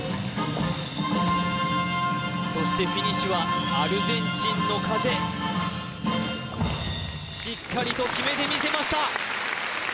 そしてフィニッシュはアルゼンチンの風しっかりと決めてみせました